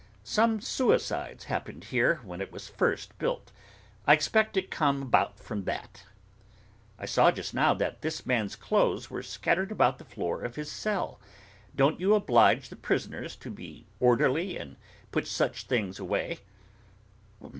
'Some suicides happened here, when it was first built. I expect it come about from that.' 'I saw just now, that that man's clothes were scattered about the floor of his cell. Don't you oblige the prisoners to be orderly, and put such things away?